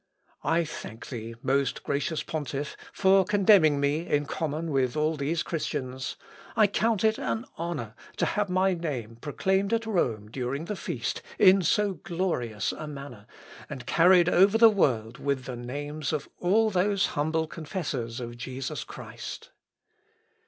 _ "I thank thee, most gracious Pontiff, for condemning me in common with all these Christians. I count it an honour to have my name proclaimed at Rome during the feast in so glorious a manner, and carried over the world with the names of all those humble confessors of Jesus Christ."